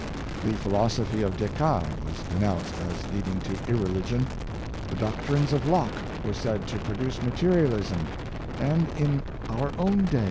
The philosophy of Descartes was denounced as lead ing to irreligion; the doctrines of Locke were said to produce materialism, and in our own day.